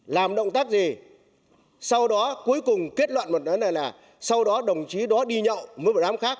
làm động tác gì sau đó cuối cùng kết luận là sau đó đồng chí đó đi nhậu với một đám khác